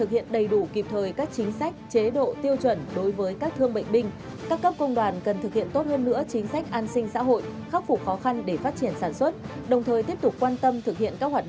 hãy đăng ký kênh để nhận thông tin nhất